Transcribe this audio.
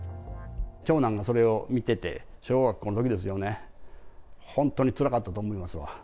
長男がそれを見てて、小学校のときですよね、本当につらかったと思いますわ。